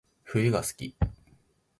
冬が好き